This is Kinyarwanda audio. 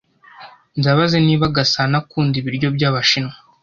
Ndabaza niba Gasanaakunda ibiryo byabashinwa.